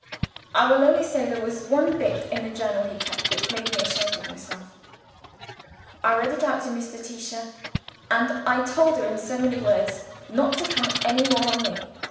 I will only say there was one bit, in a journal he kept, which made me ashamed of myself. I read it out to Miss Letitia; and I told her in so many words, not to count any more on me.